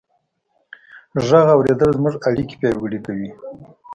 غږ اورېدل زموږ اړیکې پیاوړې کوي.